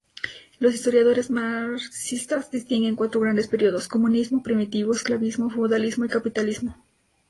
Los historiadores marxistas distinguen cuatro grandes períodos: comunismo primitivo, esclavismo, feudalismo y capitalismo.